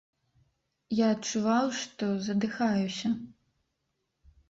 Я адчуваў, што задыхаюся.